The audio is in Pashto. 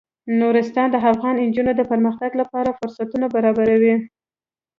نورستان د افغان نجونو د پرمختګ لپاره فرصتونه برابروي.